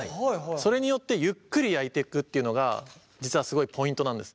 それによってゆっくり焼いていくっていうのが実はすごいポイントなんです。